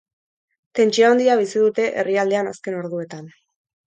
Tentsio handia bizi dute herrialdean azken orduetan.